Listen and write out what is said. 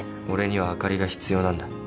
俺にはあかりが必要なんだ。